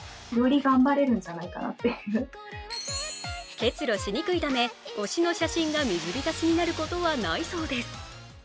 結露しにくいため推しの写真が水浸しになることはないそうです。